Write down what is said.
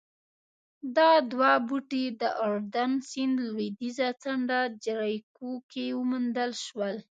دا دوه بوټي د اردن سیند لوېدیځه څنډه جریکو کې وموندل شول